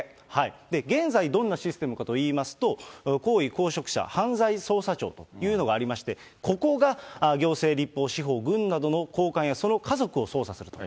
現在、どんなシステムかといいますと、高位公職者犯罪捜査庁というのがありまして、ここが行政、立法、司法などの高官やその家族を捜査すると。